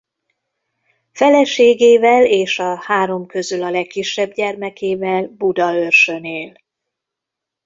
Feleségével és a három közül a legkisebb gyermekével Budaörsön él.